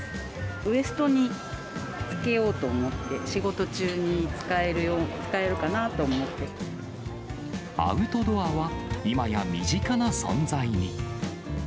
ウエストに着けようと思って、アウトドアは、いまや身近な存在に。